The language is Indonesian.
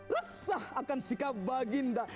resah akan sikap baginda